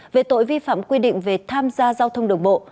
về tội vi phẩm quy định về tham gia giao thông đồng bộ